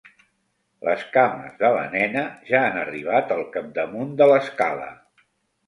Les cames de la nena ja han arribat al capdamunt de l'escala.